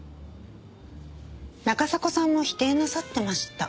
中迫さんも否定なさってました。